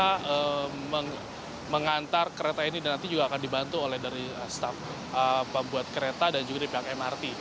kita mengantar kereta ini dan nanti juga akan dibantu oleh dari staff pembuat kereta dan juga dari pihak mrt